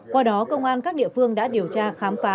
qua đó công an các địa phương đã điều tra khám phá